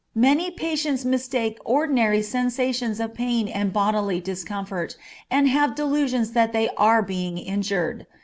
Many patients mistake ordinary sensations of pain and bodily discomfort, and have delusions that they are being injured.